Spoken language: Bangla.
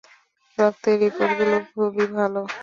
রক্তের রিপোর্টগুলো খুবই ভালো।